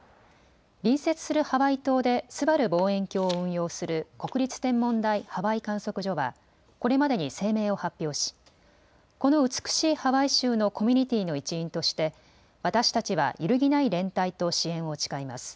隣接するハワイ島ですばる望遠鏡を運用する国立天文台ハワイ観測所はこれまでに声明を発表しこの美しいハワイ州のコミュニティーの一員として私たちは揺るぎない連帯と支援を誓います。